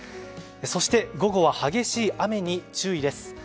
そして午後は激しい雨に注意です。